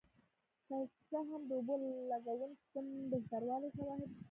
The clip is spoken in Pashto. که څه هم د اوبو لګونې سیستم بهتروالی شواهد شته